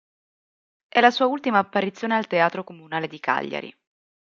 È la sua ultima apparizione al Teatro Comunale di Cagliari.